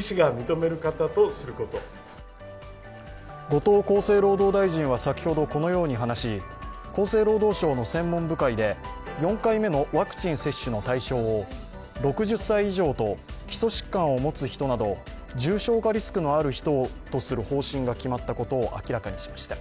後藤厚生労働大臣は先ほどこのように話し、厚生労働省の専門部会で４回目のワクチン接種の対象を６０歳以上と基礎疾患を持つ人など、重症化リスクのある人にする方針が固まったことを明らかにしました。